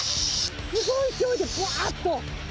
すごい勢いで、ぶわーっと。